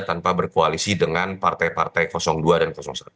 tanpa berkoalisi dengan partai partai dua dan satu